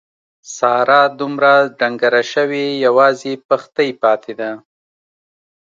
ساره دومره ډنګره شوې یوازې پښتۍ پاتې ده.